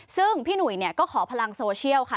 ซึ่งพี่หนุ่ยก็ขอพลังโซเชียลค่ะ